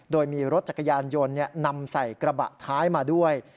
โดยมีรถจักรยานยนต์นำใส่กระบะท้ายมาด้วย